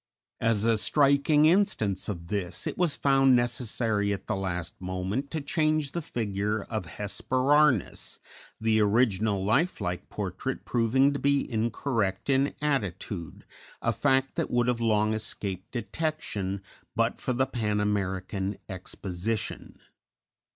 As a striking instance of this, it was found necessary at the last moment to change the figure of Hesperornis, the original life like portrait proving to be incorrect in attitude, a fact that would have long escaped detection but for the Pan American Exposition.